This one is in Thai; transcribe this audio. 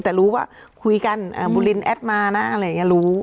แต่รู้ว่าคุยกันบุรินแอดมานะอะไรอย่างนี้รู้